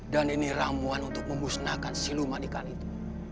dan ini ramuan untuk memusnahkan siluman ikan itu